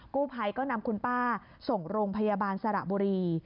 กู้ภัยก็นำคุณป้าส่งโรงพยาบาลสระบุรี